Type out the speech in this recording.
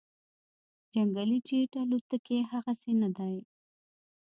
جنګي جیټ الوتکې هغسې نه دي